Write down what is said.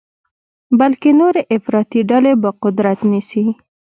بلکې نورې افراطي ډلې به قدرت نیسي.